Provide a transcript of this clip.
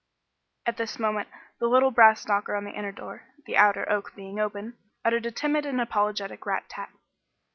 At this moment the little brass knocker on the inner door the outer oak being open uttered a timid and apologetic rat tat.